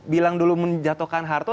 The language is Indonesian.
bilang dulu menjatuhkan harto